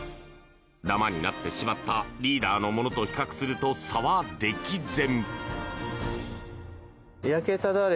ダマになってしまったリーダーのものと比較すると差は歴然！